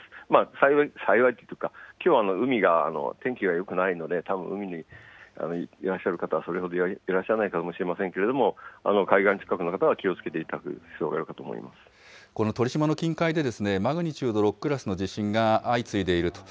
幸い、幸いというか、きょうは海が天気がよくないので、たぶん海にいらっしゃる方は、それほどいらっしゃらないかもしれませんけれども、海岸近くの方は気をつけていただこの鳥島の近海でマグニチュード６クラスの地震が相次いでいると。